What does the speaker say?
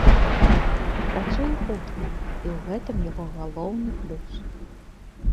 Працуе хутка, і ў гэтым яго галоўны плюс.